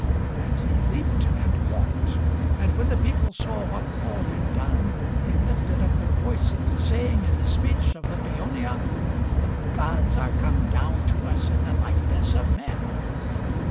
And he leaped and walked. And when the people saw what Paul had done, they lifted up their voices, saying in the speech of Lycaonia, The gods are come down to us in the likeness of men.